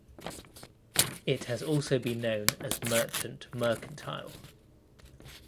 It has also been known as Merchant Mercantile.